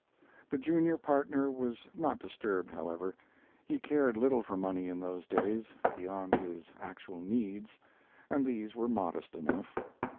The junior partner was not disturbed, however. He cared little for money in those days, beyond his actual needs, and these were modest enough.